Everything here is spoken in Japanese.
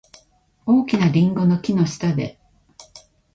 大きなリンゴの木の下で。